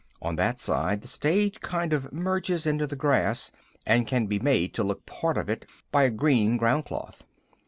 On that side the stage kind of merges into the grass and can be made to look part of it by a green groundcloth.